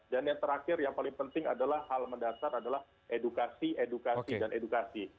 dan yang terakhir yang paling penting adalah hal mendasar adalah edukasi edukasi dan edukasi